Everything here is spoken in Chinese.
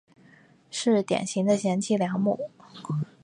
是典型的贤妻良母。